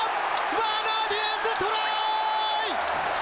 ワーナー・ディアンズトライ！